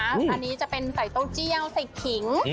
อันนี้จะเป็นใส่เต้าเจียวใส่ขิง